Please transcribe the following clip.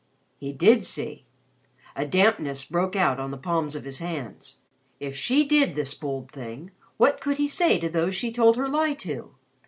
He did see. A dampness broke out on the palms of his hands. If she did this bold thing, what could he say to those she told her lie to?